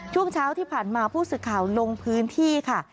ช่วงเช้าที่ผ่านมาผู้สื่อข่าวลงพื้นที่ค่ะ